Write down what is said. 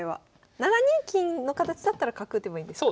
７二金の形だったら角打てばいいんですか？